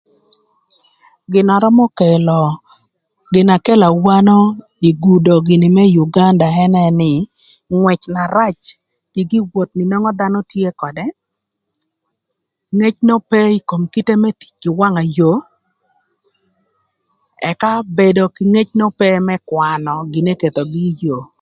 Gin na römö kelo gin na kelo awano ï gudo gïnï më Uganda ënë nï ngwëc na rac kï gi woth na nwongo dhanö tye ködë ngec n'ope ï kom kite më tic kï wanga yoo ëka bedo kï ngec n'ope më kwanö gin n'ekethogï ï yoo.